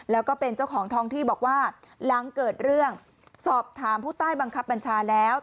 แล้วก็เป็นเจ้าของท้องที่บอกว่าหลังเกิดเรื่องสอบถามผู้ใต้บังคับบัญชาแล้ว